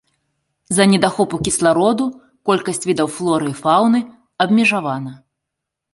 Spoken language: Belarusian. З-за недахопу кіслароду колькасць відаў флоры і фаўны абмежавана.